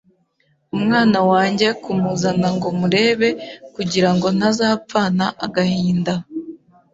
umwana wanjye kumuzana ngo murebe kugirango ntazapfana agahinda